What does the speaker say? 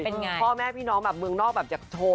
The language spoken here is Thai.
เป็นไงพ่อแม่พี่น้องแบบเมืองนอกแบบอยากโชว์